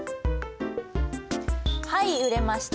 はい売れました。